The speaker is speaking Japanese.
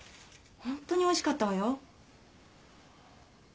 ホントにおいしかったわよ。